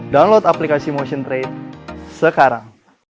download aplikasi motion trade sekarang